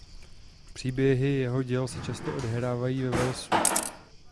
Příběhy jeho děl se často odehrávají ve Walesu.